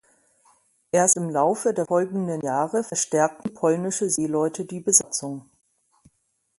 Erst im Laufe der folgenden Jahre verstärkten polnische Seeleute die Besatzung.